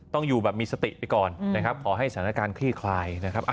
ต้องอยู่แบบมีสติไปก่อนนะครับขอให้สถานการณ์คลี่คลายนะครับ